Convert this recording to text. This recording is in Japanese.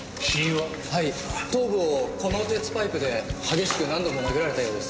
はい頭部をこの鉄パイプで激しく何度も殴られたようです。